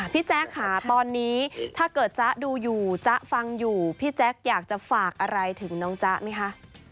แจ๊คค่ะตอนนี้ถ้าเกิดจ๊ะดูอยู่จ๊ะฟังอยู่พี่แจ๊คอยากจะฝากอะไรถึงน้องจ๊ะไหมคะ